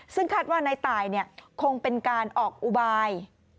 ซึ่งคาดว่าในตายคงเป็นการออกอุบาย